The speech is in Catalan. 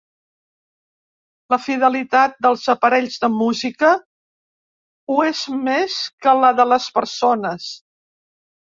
La fidelitat dels aparells de música ho és més que la de les persones.